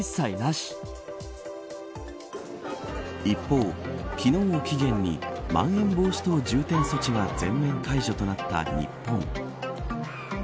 一方、昨日を期限にまん延防止等重点措置が全面解除となった日本。